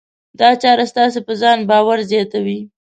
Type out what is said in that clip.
دا چاره ستاسې په ځان باور زیاتوي.